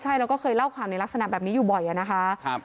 ใช่เราก็เคยเล่าข่าวในลักษณะแบบนี้อยู่บ่อยอะนะคะ